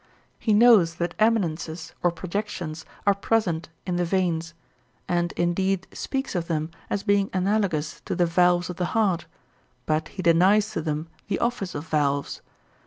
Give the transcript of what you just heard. He knows that eminences or projections are present in the veins, and indeed speaks of them as being analogous to the valves of the heart, but he denies to them the office of valves.